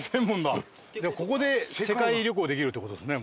ここで世界旅行できるって事ですね